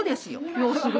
要するに。